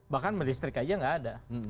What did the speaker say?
bahkan listrik aja gak ada